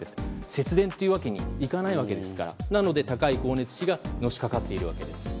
節電というわけにいかないわけですからなので高い光熱費がのしかかっているわけです。